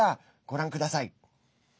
ご覧ください。